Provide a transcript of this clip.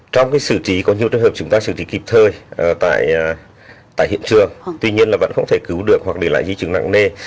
trong sự trí có nhiều trường hợp chúng ta sự trí kịp thơi tại hiện trường tuy nhiên vẫn không thể cứu được hoặc để lại di trường nặng nề